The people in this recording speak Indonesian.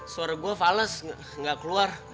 suara gue fales nggak keluar